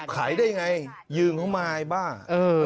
ขายได้ไงยืมเขามาไอ้บ้า